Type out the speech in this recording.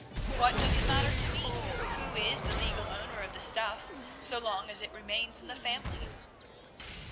What does it matter to me who is the legal owner of the stuff, so long as it remains in the family?"